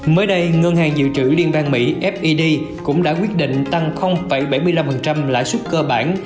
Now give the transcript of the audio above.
mới đây ngân hàng dự trữ liên bang mỹ fed cũng đã quyết định tăng bảy mươi năm lãi suất cơ bản